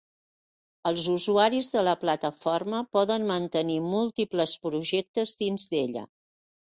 Els usuaris de la plataforma poden mantenir múltiples projectes dins d'ella.